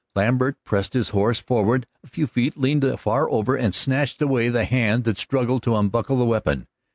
Lambert pressed his horse forward a few feet, leaned far over and snatched away the hand that struggled to unbuckle the weapon.